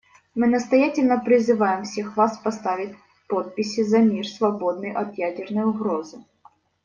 Мы настоятельно призываем всех вас поставить подписи за мир, свободный от ядерной угрозы.